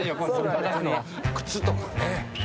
靴とかね。